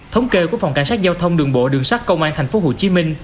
thống kê của phòng cảnh sát giao thông đường bộ đường sát công an tp hcm